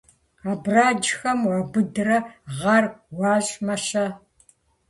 Абрэджхэм уаубыдрэ гъэр уащӀмэ-щэ?